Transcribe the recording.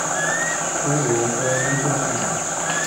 中国播音政府奖。